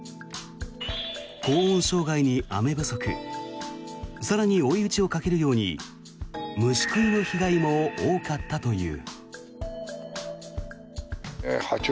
高温障害に雨不足更に追い打ちをかけるように虫食いの被害も多かったという。